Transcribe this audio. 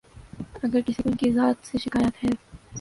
اگر کسی کو ان کی ذات سے شکایت ہے۔